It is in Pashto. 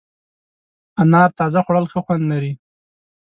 انار تازه خوړل ښه خوند لري.